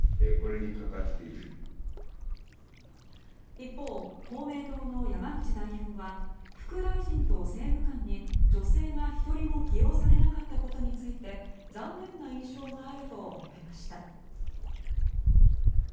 一方、公明党の山口代表は副大臣と政務官に女性が１人も起用されなかったことについて残念な印象があると述べました。